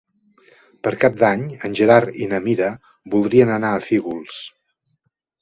Per Cap d'Any en Gerard i na Mira voldrien anar a Fígols.